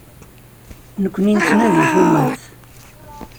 Nekkni nettnadi tumert.